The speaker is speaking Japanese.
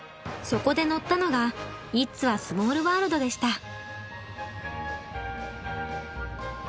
そこで乗ったのがイッツ・ア・スモールワールドでした。